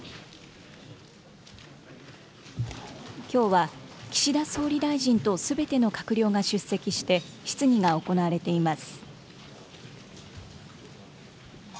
きょうは岸田総理大臣とすべての閣僚が出席して、質疑が行われています。